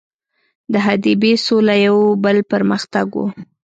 د حدیبې سوله یو بل پر مختګ وو.